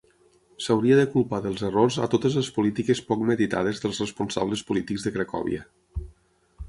S'hauria de culpar dels errors a totes les polítiques poc meditades dels responsables polítics de Cracòvia.